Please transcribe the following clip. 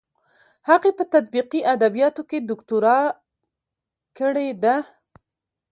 هغې په تطبیقي ادبیاتو کې دوکتورا کړې ده.